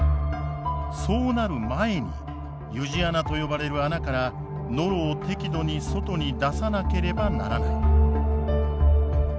そうなる前に湯路穴と呼ばれる穴からノロを適度に外に出さなければならない。